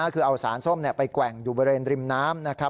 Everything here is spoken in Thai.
คือเอาสารส้มไปแกว่งอยู่บริเวณริมน้ำนะครับ